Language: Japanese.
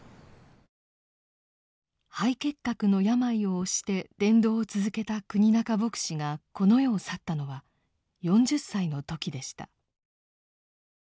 肺結核の病を押して伝道を続けた国仲牧師がこの世を去ったのは４０歳の時でした。